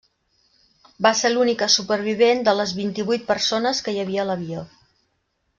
Va ser l'única supervivent de les vint-i-vuit persones que hi havia a l'avió.